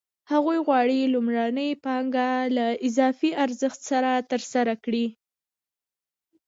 هغه غواړي لومړنۍ پانګه له اضافي ارزښت سره ترلاسه کړي